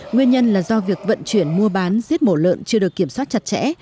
nguyên nhân là do việc vận chuyển mua bán giết mổ lợn chưa được kiểm soát chặt chẽ